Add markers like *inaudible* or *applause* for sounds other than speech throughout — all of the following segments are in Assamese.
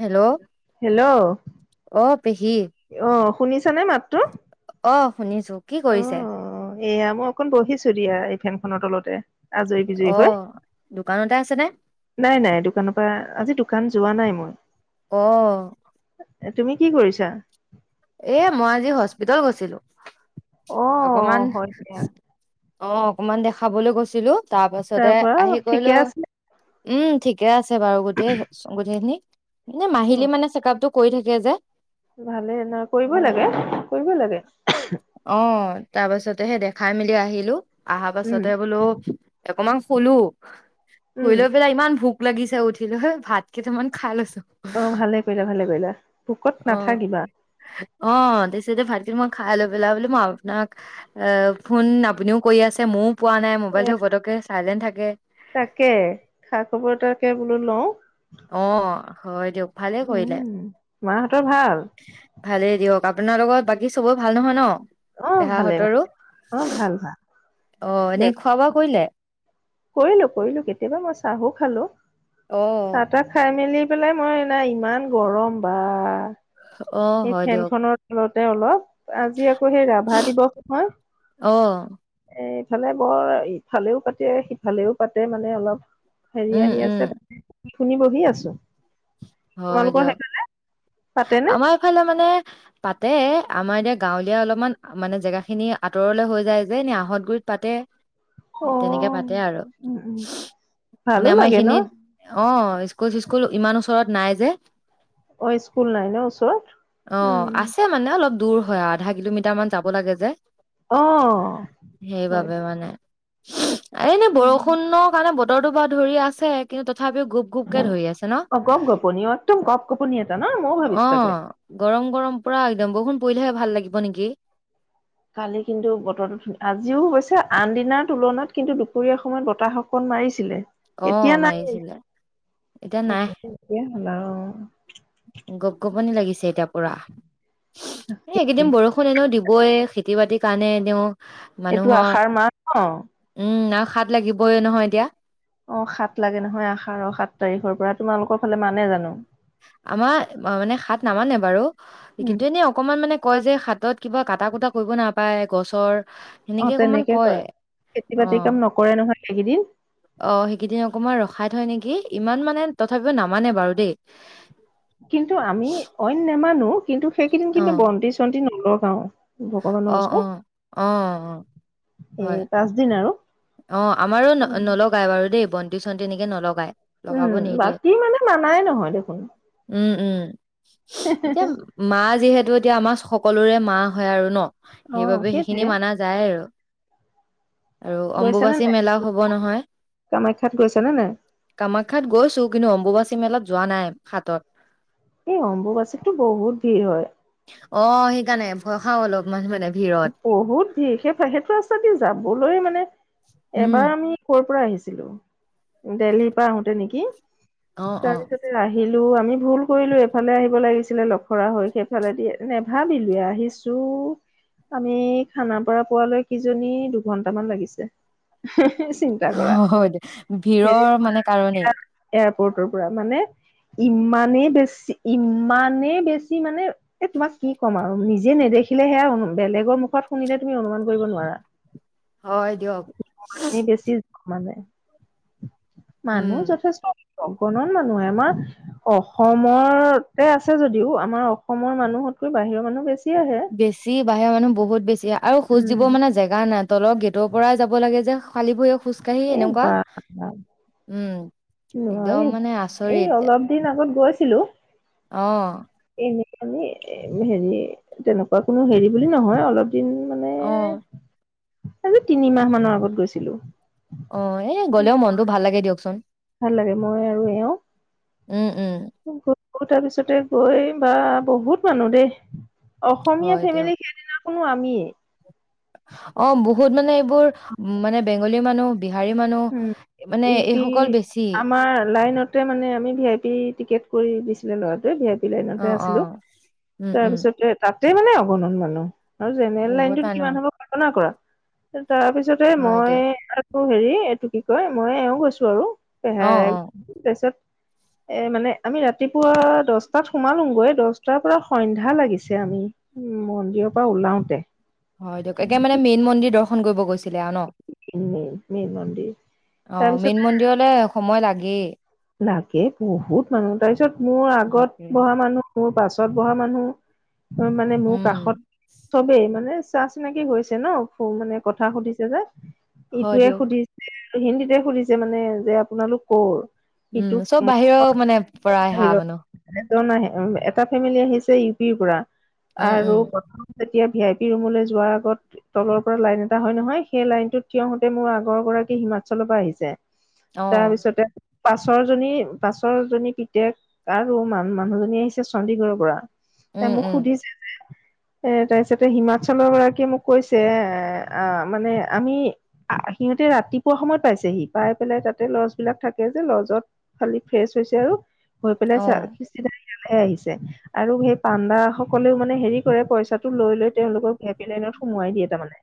হেল্ল' হেল্ল' অ পেহী অ শুনিছানে মাতটো অ শুনিছো কি অ কৰিছে এয়া মই অকণ বহিছো দিয়া এই ফেন খনৰ তলতে আজৰি বিজৰি অ হৈ দোকানতে আছেনে নাই নাই দোকান পা আজি দোকান যোৱা নাই মই অ এ তুমি কি কৰিছা এ মই আজি হস্পিতেল গৈছিলো অ অকমান হয় দিয়া অ অকমান দেখাবলৈ গৈছিলো তাৰ পাছতে পৰা আহি ঠিকে কইলো আছে উম ঠিকে আছে বাৰু গোটেই চ গোটেই খিনি এনে অ মাহিলী মানে চেক আপটো কৈ থাকে যে ভালে ন কৰিবই লাগে কৰিবই লাগে অ তাৰ পাছতে হে দেখাই মেলি আহিলো আহা উম পাছতে বুলো অকমান শুলো শুই উম লৈ পেলাই ইমান ভোক লাগিছে উঠিলো লৈ ভাত কেইটামান খাই লৈছো অ ভালে কৰিলা ভালে কৰিলা ভোকত অ নাথাকিবা অ তাৰপিছতে ভাত কেইটামান মই খাই লৈ পেলাই বলো মই আপোনাক আহ ফোন আপুনিও কই আছে মও পোৱা নাই এ মোবাইলটো পতকে চাইলেণ্ট থাকে তাকে খা খবৰ এটাকে বোলো লওঁ অ হয় দিয়ক ভালে কৰিলে উম মাহঁতৰ ভাল ভালেই দিয়ক আপোনাৰ লগত বাকী চবয় ভাল নহয় ন অ ভালে ভাল পেহাহঁতৰো অ ভাল অ এনে ভাল খোৱা বোৱা কৰিলে কৰিলো কৰিলো কেতিয়াবা মই চাহো খালো অ', চাহ তাহ খাই মেলি পেলাই মই নাই ইমান গৰম বা অ', এই হয় ফেন দিয়ক খনত অলতে অলপ আজি আকৌ সেই ৰাভা দিৱস নহয় অ এ ইফালে বৰ ইফালেও পাতে সিফালেও পাতে মানে অলপ হেৰি উম, আহি উম, আছে শুনি বহি আছো হয় তোমালোকৰ সেইফালে পাতেনে? সিফালে মানে পাতে আমাৰ এতিয়া গাঁৱলীয়া অলপমান মানে জেগাখিনি আঁতৰলে হৈ যায় যে, এনে আহঁতগুৰিত পাতে অ তেনেকে পাতে আৰু, উম উম ভালো মানে আমাৰ লাগে ন এইখিনিত অঁ স্কুল চিস্কুল ইমান ওচৰত নাই যে। অ স্কুল নাই ন ওচৰত, অ উম। আছে মানে অলপ দূৰ হয় আও, আধা কিলোমিটাৰ মান যাব লাগে যে। অ হয় সেইবাবে মানে। এনেই উম বৰষুণৰ কাৰণে বতৰটো বাৰু ধৰি আছে, কিন্তু তথাপিও গ্ৰুপ গ্ৰুপকে ধৰি আছে ন? অ গপ গোপনী অ একদম গপ গোপনী এটা ন! মইও অ ভাবিছো তাকে। গৰম গৰম পোৰা একদম বৰষুণ পৰিলেহে ভাল লাগিব নেকি। কালি কিন্তু বতৰটো ধু, আজিও অৱশ্যে আন দিনাৰ তুলনাত কিন্তু দুপৰীয়া সময়ত বতাহক অকণ মাৰিছিলে, অ এতিয়া নাই মাৰিছিলে এতিয়া এতিয়া হল আৰু। গপ গপনি লাগিছে এতিয়া পোৰা! এ এইকেইদিন বৰষুণ এনেও দিবই খেতি-বাতিৰ কাৰণে এনেও এইটো মানুহৰ আষাৰ মাহ ন উম আৰু হাত লাগিবই নহয় এতিয়া। অঁ হাত লাগে নহয় আহাৰ সাত তাৰিখৰ পৰা, তোমালোকৰ ফালে মানে জানো? আমাৰ মানে হাত নামানে বাৰু, উম কিন্তু এনে অকমান মানে কয় যে হাতত কিবা কাটা কুটা কৰিব নাপায় গছৰ অঁহ সেনেকে অকমান তেনেকে কয়, খেতি-বাতি কাম নকৰে নহয়, সেইকেইদিন। অহ সেইকেইদিন অকণমান ৰখাই থয় নেকি? ইমান মানে, তথাপিও নামানে বাৰু দেই। কিন্তু, আমি অইন নেমানো, কিন্তু সেইকেইদিন অ কিন্তু বন্তি-চন্তি নলগাওঁ। ভগৱানৰ অ অ ওচৰত, অ অ এই পাঁচদিন আৰু। অঁ আমাৰো ন, নলগাই বাৰু দেই, বন্তি-চন্তি এনেকে নলগাই। উম লগাব নিদিয়ে, বাকী মানে মানাই নহয় দেখোন উম উম, এতিয়া মা যিহেতু, এতিয়া আমাৰ সকলোৰে মা হয় আৰু ন', অ সেইবাবে সেইখিনি সেইটোৱে মানা যায় আৰু। আৰু গৈছে নে অম্বুবাচী মেলাও হব নহয়। কামাখ্যাত গৈছা নে নাই? কামাখ্যাত গৈছো, কিন্তু অম্বুবাচী মেলাত যোৱা নাই, হাতত। এই অম্বুবাচীতটো বহুত ভিৰ হয়! অঁ সেইকাৰণে ভয় খাওঁ অলপমান মানে ভিৰত। বহুত ভিৰ! সেই, সেইটো ৰাস্তা দি যাবলৈ মানে, উম, এবাৰ আমি কৰ পৰা আহিছিলো? দেলহিৰ পৰা আহোতে নেকি? অ', অ', তাৰপিছত আহিলো, আমি ভুল কৰিলো, এইফালে আহিব লাগিছিলে লফৰা হৈ সেইফালেদি, নেভাবিলো আহিছো ছো আমি খানাপাৰা পোৱালৈ, কিজানি দুঘন্টামান লাগিছে। চিন্তা কৰা, হয় দে হেৰি ভিৰৰ পৰা মানে কাৰণেই। ইয়াৰ এয়াৰপৰ্টৰ পৰা, মানে ইমানেই বেছি, ইমানেই বেছি মানে এ', তোমাক কি ক'ম আৰু, নিজে নেদিখিলে সেইয়া অনু বেলেগৰ মুখত শুনিলে তুমি অনুমান কৰিব নোৱাৰা, হয় দিয়ক, ইমানেই বেছি মানে, উম। মানুহ যথেষ্ট, অগণন মানুহ আহে, আমাৰ অসমতে আছে যদিও, আমাৰ অসমৰ মানুহতকৈ বাহিৰৰ মানুহ বেছি আহে। বেছি বাহিৰৰ মানুহ বহুত বেছি, আৰু খোজ উম দিব মানে জেগা না তলৰ গেটৰ পৰাই যাব লাগে যে, খালী ভৰিয়ে খোজকাঢ়ি এই এনেকুৱা, বা উম, নোৱাৰি একদম মানে এই আচৰিত। অলপ দিন আগত গৈছিলো। অ'। এই এনেকুৱা যে হেৰি, তেনেকুৱা কোনো হেৰি বুলি নহয়। অলপ দিন মানে অ'। আজি তিনিমাহ মানৰ আগত গৈছিলো। অ', এই গ'লেও মনটো ভাল লাগে দিয়কচোন, ভাল লাগে মই উম উম। *unintelligible* পিছতে গৈ, বা বহুত মানুহ দেই। অসমীয়া হয় ফেমিলি দিয়ক সেইদিনাখনো আমিয়ে। অ', বহুত মানে এইবোৰ উম, মানে বেংগলী মানুহ বিহাৰী মানুহ, মানে এইসকল বেছি। অ', লাইনত তে মানে আমি ভি-আই-পি টিকেট কৰি দিছিলে ল'ৰাতোৱে ভি আই পি অ', লাইনতে আছিলো, অ', উম, উম, তাৰপিছতে তাতে মানে অগণন মানুহ, আৰু জেনেৰেল বহুত লাইনটোত মানুহ কিমান হ'ব কল্পনা কৰা, তাৰপিছত তাতে হয় মই দিয়ক আৰু হেৰি এইটো কি কয়, মই আৰু এওঁ গৈছো আৰু অ', পেহায়েৰ। অ', তাৰপিছত এ', মানে আমি ৰাতিপুৱা দহটাত সোমালোগৈ, দহটাৰ পৰা সন্ধ্যা লাগিছে আমি উম, মন্দিৰৰ পৰা ওলাওতে। হয় দিয়ক, একে মানে মেইন মন্দিৰ দৰ্শন কৰিব গৈছিলে আৰু ন'? উম, মেইন মন্দিৰ, তাৰপিছত মন্দিৰলৈ সময় লাগেই। লাগে, বহুত মানুহ, তাৰপিছত মোৰ আগত বাপৰে বহা মানুহ মোৰ পাছত বহা মানুহ, মানে মোৰ উম, কাষত চবেই মানে চা চিনাকি হৈছে ন, মানে কথা সুধিছে যে হয় ইটোৱে দিয়ক সুধিছে হিন্দীটে সুধিছে মানে যে আপোনালোক ক'ৰ? উম, সিটোক চব মই বাহিৰৰ মানে পৰাই অহা বাহিৰৰ মানুহ? এজন আহ এটা ফেমিলি আহিছে ইউ পিৰ পৰা, উম, আৰু উম, প্ৰথম যেতিয়া ভি আই পি ৰুমলৈ যোৱাৰ আগত তলৰ পৰা লাইন এটা হয় নহয়, সেই লাইনটোত থিয় হওঁতে মোৰ আগৰ গৰাকী হিমাচলৰ পৰা আহিছে। তাৰ অ', পিছতে পাছৰ জনী পাছৰ জনী পিতেক আৰু মান মানুহজনী আহিছে চণ্ডীগড়ৰ পৰা। তাই উম, মোক উম, সুধিছে যে এ তাৰপিছতে হিমাচলৰ গৰাকীয়ে মোক কৈছে এ মানে আমি আহ সিহঁতে ৰাতিপুৱা সময়ত পাইছেহি, পাই পেলাই তাতে লজবিলাক থাক যে লজত খালি ফ্ৰেচ হৈছে আৰু হৈ পেলাই চ অ', চাকি জ্বলাই আহিছে, আৰু সেই পাণ্ডা সকলেও মানে হেৰি কৰে, পইচাটো লৈ লৈ তেওঁলোক ভি আই পি লাইনত সুমুৱাই দিয়ে তাৰানে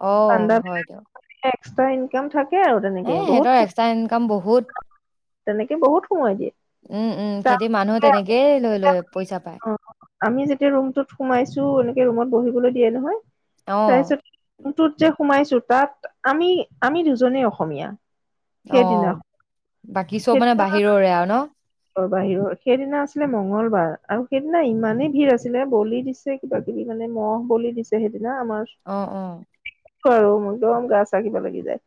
অ', হয় পাণ্ডাবিলাক দিয়ক এক্সট্ৰা ইনকাম থাকে আৰু তেনেকে, বহুত তাৰ ইনকাম বহুত। তেনেকে বহুত সুমুৱাই দিয়ে। উম, উম তাৰ খেতিৰ মানুহে তেনেকেই লৈ লয় পইচা পায়। আমি যেতিয়া ৰুমটোত সোমাইছো, এনেকে ৰুমত বহিবলৈ দিয়ে নহয়। অ', তাৰপিছত ৰোমটোত যে সোমাইছো তাত আমি আমি দুজনেই অসমীয়া। অ' সেইদিনাখন বাকী চব মানে সেইদিনা বাহিৰৰে আৰু ন? বাহিৰৰ। সেইদিনা আছিলে মঙগলবাৰ আৰু সেইদিনা ইমানেই ভিৰ আছিলে বলি দিছে কিবা- কিবি মানে মহ' বুলি দিছে, সেইদিনা আমাৰ অ- অ। কৰ গা চাগিব লাগি যায়।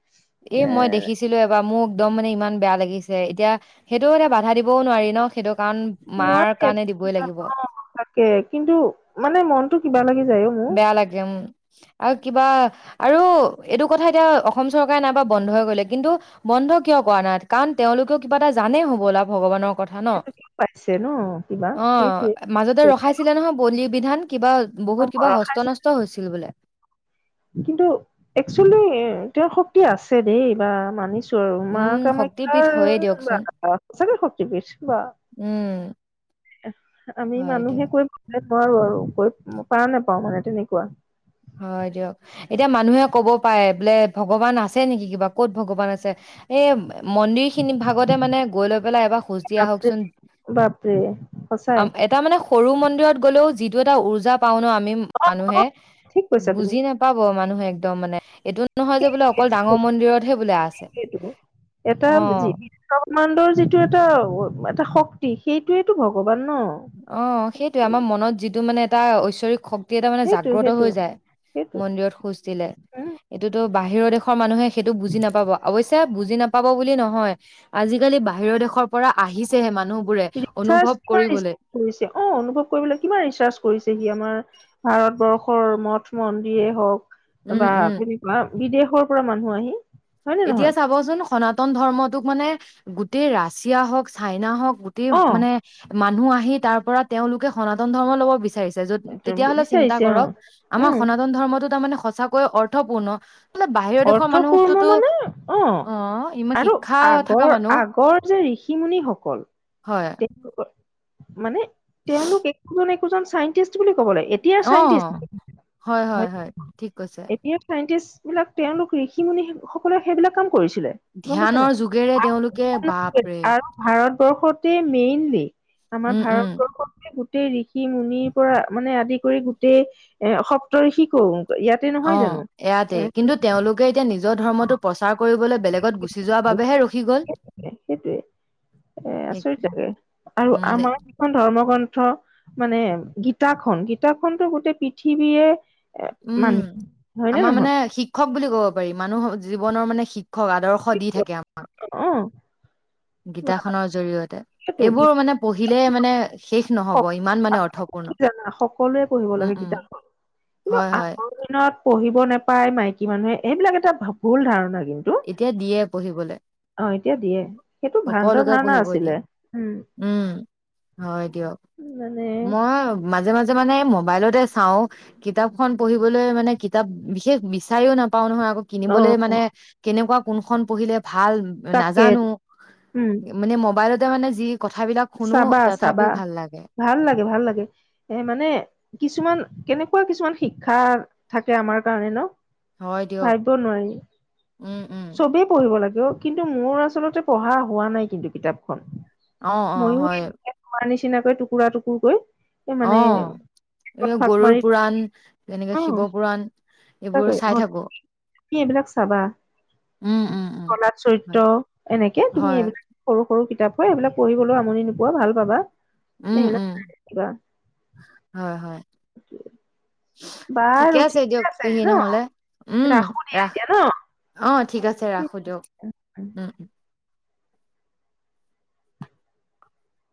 এ মই দেখিছোঁ ছিলো এবাৰ, মোক একদম মানে ইমান বেয়া লাগিছে। এতিয়া সেইটোও এয়া বাধা দিবও নোৱাৰি ন সেইটো কাৰণ মাৰ কাৰণে দিবই লাগিব। কে কিন্তু মানে মনতটো কিবা লাগি যায়ও। বেয়া লাগে উম, আৰু কিবা আৰু এইটো কথা, এতিয়া অসম চৰকাৰে নাইবা বন্ধই কৰিলে। কিন্তু - বন্ধ কিয় কৰা নাই? কাৰণ তেওঁলোকেও কিবা এটা জানেই হ'বলা ভগৱানৰ কথা ন। পাইছে ন কিবা অ, সেইটোৱে মাজতে ৰখাইছ ছিলে নহয়, বলি বিধান কিবা বহুত কিবা ৰখাইছে হস্ত- নষ্ট হৈছিল বোলে। কিন্তু, একচুৱেলি দেও শক্তি আছে দেই, বা মানিছো। তোৰ, মা উম শক্তিপীঠ কামাখ্যাৰ হয়ে দিয়কচোন সঁচাকে শক্তিপীত বা তোৰ উম। আমি হয় দিয়ক মানুহে কৈ পাবলে আৰু কৈ পাৰ নোপাও তেনেকুৱা। হয় দিয়ক। এতিয়া মানুহে ক'ব পাৰে, বোলে ভগৱান আছে নেকি, কিবা ক'ত ভগৱান আছে এ? মন্দিৰ খিনি ভাগতে মানে গৈ লৈ পেলাই এবাৰ খোজ দিয়া বাপৰে আহকচোন। বাপৰে সঁচাই। তাৰ মানে সৰু মন্দিৰত গ'লেও যিটো, এটা উৰ্জা পাও ন, আমি মানুহে ঠিক কৈছা তুমি বুজি নাপাব মানুহে একদম মানে, এইটো নহয় যে বোলে অকল ডাঙৰ মন্দিৰতহে বোলো আছে। সেইটো এটা অ। যি ব্ৰহ্মাণ্ডৰ যিটো এটা এটা শক্তি সেইটোয়েটো ভগৱান ন? অ, সেইটয়ে আমাৰ মনত যিটো মানে এটা ঐশ্বৰিক শ এটা মানে সেইটো জাগ্ৰত সেইটো হৈ যায়, সেইটো মন্দিৰত খোজ দিলে উম এইটোতো বাহিৰৰ দেশৰ মানুহে সেইটো বুজি নাপাব। অৱশ্যে বুজি পাব বুলি নহয়, আজিকালি বাহিৰৰ দেশৰ পৰা আহিছেহে মানুহ। ৰিচাৰ্ছ, কিমান ৰিচাৰ কৰিছে অ অনুভৱ কৰিবলৈ কিমান ৰিচাৰ্চ কৰিছে সি আমাৰ। ভাৰতবৰ্ষৰ মঠ মন্দিয়েই হওক উম বা উম আপুনি বিদেশৰ পৰা মানুহ আহি হয় নে এতিয়া নহয় চাবচোন সনাতন ধৰ্মটোক মানে গোটেই ৰাছিয়া হওক, ছাইনাৰ হওক, গোটেই অ মানে মানুহ আহি তাৰ পৰা তেওঁলোকে সনাতন ধৰ্ম ল'ব বিচাৰিছে। তেতিয়া হ'লে চিন্তা বিচাৰিছে অ কৰক, আমাৰ উম সনাতন ধৰ্মটো তাৰমানে সঁচাকৈয়ে অৰ্থপূৰ্ণ। বোলে বাহিৰৰ দেশৰ অৰ্থপূৰ্ণ মানুহকটোতো মানে অ, ইমান আৰু শিক্ষা থকা আগৰ- মানুহ আগৰ যে ঋষি মুনিসকল হয় মানে তেওঁলোক একোজন- একোজন চাইন্টিষ্ট বুলি ক'ব লাগিব। অ চাইণ্টিষ্ট হয় হয় হয় ঠিক কৈছে এতিয়া চাইণ্টিষ্টবিলাক তেওঁলোক ঋষি মুুনি সকলে সেইবিলাক কাম কৰিছিলে। গম পাইছা নে ধ্যানৰ নাই? যোগেৰে তেওঁলোকে বাপৰে ভাৰতবৰ্ষতে মেইনলি, আমাৰ উম, উম, ভাৰতবৰ্ষতে গোটেই ঋষি মুনিৰ পৰা মানে, আদি কৰি গোটেই এ সপ্ত ঋষিকো অ, ইয়াতে। কিন্তু তেওঁলোকে এতিয়া নিজৰ ধৰ্মটো প্ৰচাৰ কৰিবলৈ বেলেগত গুচি যোৱাৰ বাবেহে ৰখি গ'ল। সেইটোৱে এ সেই- আচৰিত লাগে, আৰু উম, আমাৰ খন ধৰ্ম গ্ৰন্থ মানে গীতাখন গীতাখনতো গোটেই পৃথিৱীয়ে এ উম মানি হয় নে আমাৰ নহয় মানে শিক শিক্ষক বুলি ক'ব পাৰি মানুহ জীৱনৰ মানে শিক্ষক আদৰ্শ দি থাকে আমাক অ গীতাখনৰ জৰিয়তে তাকেতো এইবোৰ গীতা মানে পঢ়িলে মানে শেষ নহ'ব ইমান মানে কি অৰ্থপূৰ্ণ জানা সকলোৱে পঢ়িব উম উম হয় হয় আজি দিনত পঢ়িব নাপাই মাইকী মানুহে সেইবিলাক এটা ভুল ধাৰণা কিন্তু এতিয়া দিয়ে পঢ়িবলে অ এতিয়া দিয়ে সেইটো ভ্ৰান্ত সকলোকে ধাৰণা পঢ়িব দিয়ে। আছিলে উম হয় দিয়ক মানে মই মাজে মাজে মানে মোবাইলতে চাওঁ কিতাপখন পঢ়িবলৈ মানে কিতাপ বিশেষ বিছাৰিও নাপাও নহয় অ কিনিবলৈ মানে কেনেকুৱা কোনখন পঢ়িলে ভাল তাকে নাজানো উম মানে মোবাইলতে মানে যি কথাবিলাক শুনো চাবা চাবা তথাপিও ভাল লাগে ভাল লাগে ভাল লাগে এ মানে কিছুমান কেনেকুৱা কিছুমান শিক্ষা থাকে আমাৰ কাৰণে ন হয় দিয়ক ভাবিবই নোৱাৰি উম উম চবেই পঢ়িব লাগে অ কিন্তু মোৰ আচলতে পঢ়া হোৱা নাই কিন্তু কিতাপখন অ অ মইও হয় এনে তোমাৰ নিচিনাকৈ টুকুৰা টুকুৰ কৈ এ মানে এইবিলাক ভাগ গৰুৰ মাৰি পুৰাণ তেনেকে অ শিৱ পুৰাণ এইবোৰ সঁচাকৈ অ চাই থাকো তুমি এইবিলাক চাবা উম উম উম কলাত হয় চৰিত্ৰ এনেকে তুমি হয় এইবিলাক সৰু সৰু কিতাপ হয় সেইবিলাক পঢ়িবলৈ আমনি নোপোৱা ভাল পাবা উম এইবিলাক উম চাই থাকিবা হয় হয় ঠিকে আছে দিয়ক পেহি নহ'লে উম ৰাখো দিয়া ৰাখ এতিয়া অ ঠিক আছে ৰাখো দিয়ক ন উম